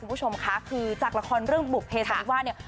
คุณผู้ชมค่ะคือจากละครเรื่องบุภเพสันนิวาสเนี่ย